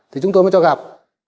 thì chúng tôi mới cho gặp